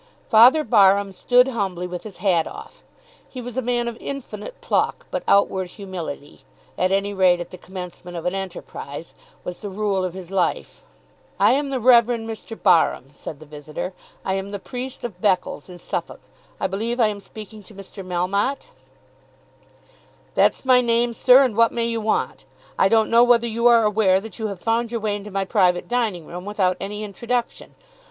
Father Barham stood humbly with his hat off. He was a man of infinite pluck; but outward humility at any rate at the commencement of an enterprise, was the rule of his life. "I am the Rev. Mr. Barham," said the visitor. "I am the priest of Beccles in Suffolk. I believe I am speaking to Mr. Melmotte." [Illustration: Father Barham.] "That's my name, sir. And what may you want? I don't know whether you are aware that you have found your way into my private dining room without any introduction.